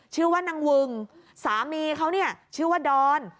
ชื่อว่านางวึงสามีเขาเนี่ยชื่อว่าดอน